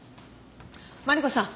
マリコさん。